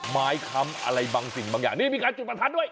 ค้ำอะไรบางสิ่งบางอย่างนี่มีการจุดประทัดด้วย